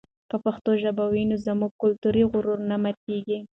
که پښتو ژبه وي نو زموږ کلتوري غرور نه ماتېږي.